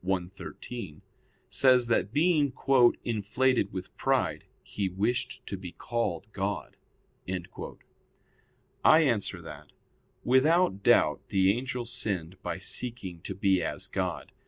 cxiii) says that being "inflated with pride, he wished to be called God." I answer that, Without doubt the angel sinned by seeking to be as God.